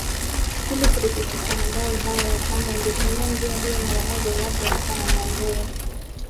ili kuthibitisha madai hayo na kwamba ingetumia njia hiyo mara moja iwapo walikuwa na nia nzuri